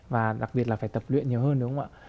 và đặc biệt là phải tập luyện nhiều hơn đúng không ạ